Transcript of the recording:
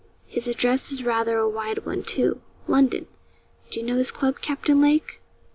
'His address is rather a wide one, too London! Do you know his club, Captain Lake?'